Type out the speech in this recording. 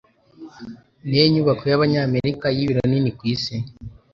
Niyihe nyubako y'Abanyamerika y'ibiro nini kwisi?